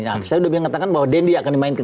saya sudah mengatakan bahwa dendi akan dimainkan